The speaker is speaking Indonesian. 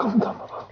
kau mau kemana